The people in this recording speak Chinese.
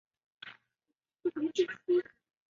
她曾经在圣彼得堡的表演绝无仅有。